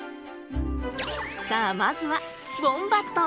さあまずはウォンバット。